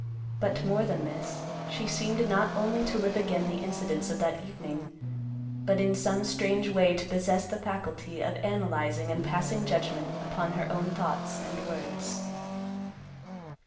But more than this, she seemed not only to live again the incidents of that evening, but in some strange way to possess the faculty of analyzing and passing judgment upon her own thoughts and words.